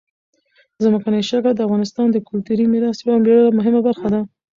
ځمکنی شکل د افغانستان د کلتوري میراث یوه ډېره مهمه برخه ده.